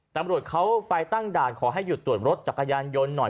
ตำรวจเขาไปตั้งด่านขอให้หยุดตรวจรถจักรยานยนต์หน่อย